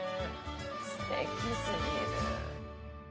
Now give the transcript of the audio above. すてきすぎる。